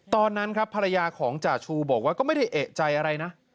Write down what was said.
ตอนนั้นครับภรรยาของจ่าชูบอกว่าก็ไม่ได้เอกใจอะไรนะ